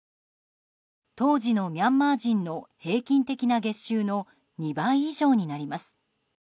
当時のミャンマー人の平均的な月収の２倍以上になります。